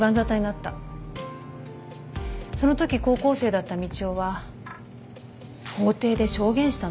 そのとき高校生だったみちおは法廷で証言したの。